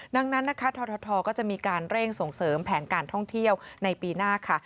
ดังนั้นนะคะททก็จะมีการเร่งส่งเสริมแผนการท่องเที่ยวในปีหน้าค่ะ